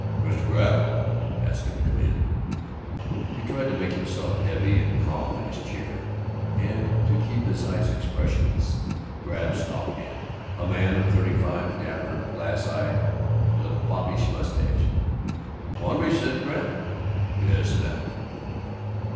"Mr. Graff? Ask him to come in." He tried to make himself heavy and calm in his chair, and to keep his eyes expressionless. Graff stalked in a man of thirty five, dapper, eye glassed, with a foppish mustache. "Want me?" said Graff. "Yes. Sit down."